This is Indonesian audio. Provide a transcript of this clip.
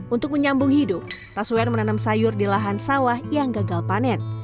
untuk menyambung hidup taswer menanam sayur di lahan sawah yang gagal panen